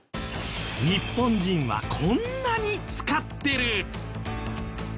日本人はこんなに使ってる。